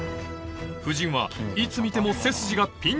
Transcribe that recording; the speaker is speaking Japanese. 夫人はいつ見ても背筋がピンと張って